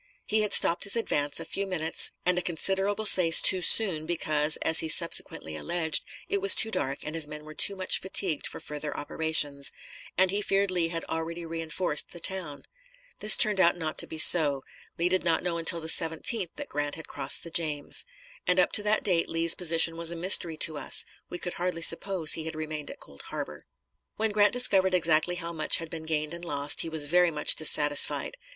He had stopped his advance a few minutes and a considerable space too soon, because, as he subsequently alleged, it was too dark and his men were too much fatigued for further operations; and he feared Lee had already re enforced the town. This turned out not to be so; Lee did not know until the 17th that Grant had crossed the James. And up to that date Lee's position was a mystery to us; we could hardly suppose he had remained at Cold Harbor. When Grant discovered exactly how much had been gained and lost, he was very much dissatisfied.